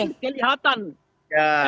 jadi relawan ini kelihatan